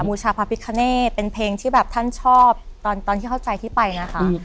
บูชาพระพิฆเนตเป็นเพลงที่แบบท่านชอบตอนยั้งยนต้อนที่เขาใจที่ไปนะคะ